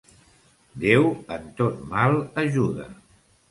Déu en tot mal ajuda.